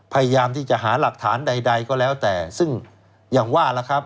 พยายามที่จะหาหลักฐานใดก็แล้วแต่ซึ่งอย่างว่าล่ะครับ